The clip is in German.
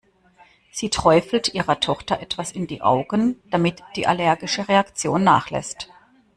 Sie träufelt ihrer Tochter etwas in die Augen, damit die allergische Reaktion nachlässt.